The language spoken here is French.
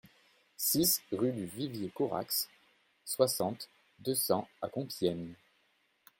six rue du Vivier Corax, soixante, deux cents à Compiègne